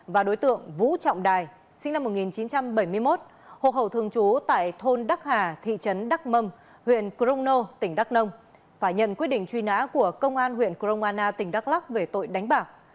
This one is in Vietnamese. và đối tượng vũ trọng đài sinh năm một nghìn chín trăm bảy mươi một hồ hậu thường trú tại thôn đắk hà thị trấn đắk mâm huyện crono tỉnh đắk nông phải nhận quyết định truy nã của công an huyện crono anna tỉnh đắk lắc về tội đánh bảo